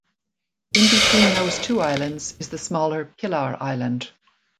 In between those two islands is the smaller Pilar Island.